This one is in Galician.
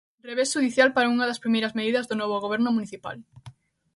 Revés xudicial para unha das primeiras medidas do novo Goberno municipal.